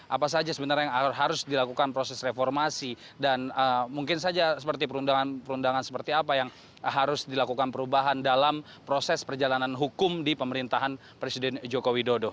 apa saja sebenarnya yang harus dilakukan proses reformasi dan mungkin saja seperti perundangan perundangan seperti apa yang harus dilakukan perubahan dalam proses perjalanan hukum di pemerintahan presiden joko widodo